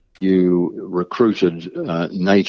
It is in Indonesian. anda mengikuti para penjajah asal